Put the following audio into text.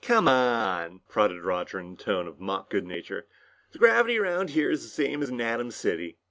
"Come on," prodded Roger in a tone of mock good nature. "The gravity around here is the same as in Atom City.